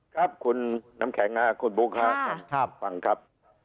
ครับคุณน้ำแข็งคุณบุ๊คครับฟังครับ